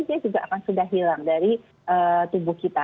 dia juga akan sudah hilang dari tubuh kita